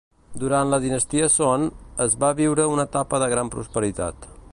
Durant la dinastia Son, es va viure una etapa de gran prosperitat.